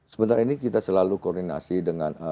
sebentar ini kita selalu koordinasi dengan